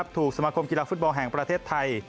สมาคมกีฬาฟุตบอลแห่งประเทศไทย